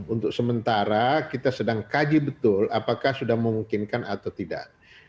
untuk sementara kita sedang kaji betul apakah sudah memungkinkan atau tidak